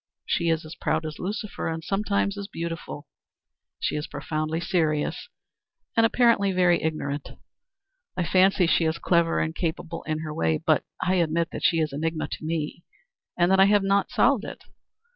She is as proud as Lucifer and sometimes as beautiful; she is profoundly serious and and apparently very ignorant. I fancy she is clever and capable in her way, but I admit she is an enigma to me and that I have not solved it.